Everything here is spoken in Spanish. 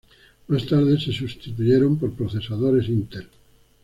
Más tarde se sustituyeron por procesadores Intel.